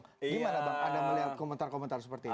gimana bang anda melihat komentar komentar seperti ini